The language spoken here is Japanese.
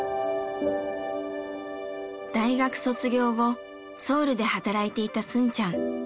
大学卒業後ソウルで働いていたスンちゃん。